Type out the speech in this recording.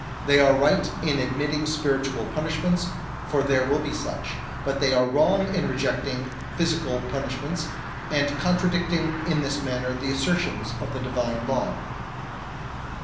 They are right in admitting spiritual punishments, for there will be such ; but they are wrong in re jecting physical punishments, and contradicting in this manner the assertions of the Divine Law.